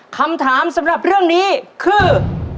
คำถามสำหรับเรื่องนี้คือ